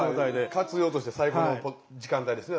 活用として最高の時間帯ですね。